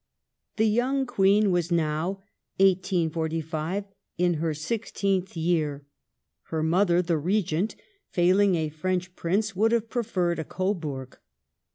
^ The young Queen was now (1845) in her sixteenth year; her mother, the Regent, failing a French Prince, would have prefen ed a Coburg.